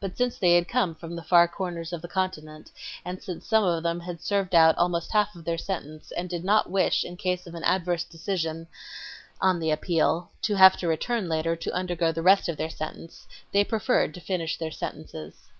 But since they had come from the far corners of the continent and since some of them had served out almost half of their sentence, and did not wish in case of an adverse decision on the appeal, to have to return later to undergo the rest of their sentence, they preferred to finish their sentences.